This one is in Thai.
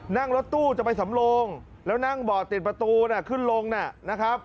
นั่งรถตู้จะไปสำโลงแล้วนั่งเบาะติดประตูขึ้นลงนะครับ